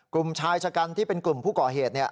กลุ่มชายชะกันที่เป็นกลุ่มผู้ก่อเหตุ